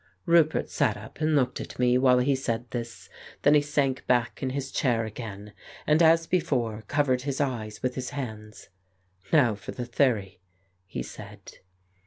Roupert sat up and looked at me while he said this; then he sank back in his chair again, and, as before, covered his eyes with his hands. 156 The Case of Frank Hampden "Now for the theory," he said.